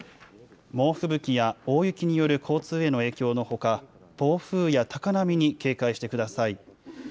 猛吹雪や大雪による交通への影響のほか、暴風や高波に警戒してください。